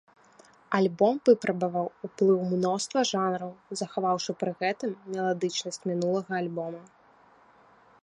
Альбом выпрабаваў ўплыў мноства жанраў, захаваўшы пры гэтым меладычнасць мінулага альбома.